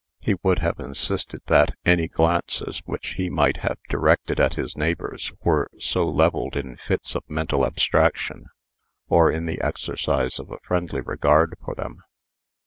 He would have insisted that any glances which he might have directed at his neighbors, were so levelled in fits of mental abstraction, or in the exercise of a friendly regard for them.